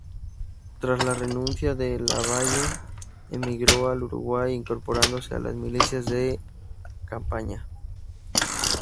Tras la renuncia de Lavalle emigró al Uruguay, incorporándose a las milicias de campaña.